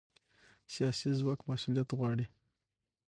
سیاسي ځواک مسؤلیت غواړي